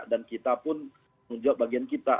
dan kita pun menjawab bagian kita